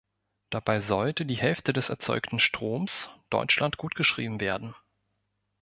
Dabei sollte die Hälfte des erzeugten Stroms Deutschland gutgeschrieben werden.